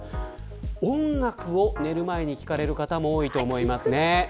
音楽を寝る前に聞く方も多いと思います。